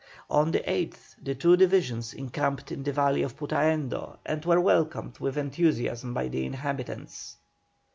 On the 8th the two divisions encamped in the valley of Putaendo, and were welcomed with enthusiasm by the inhabitants.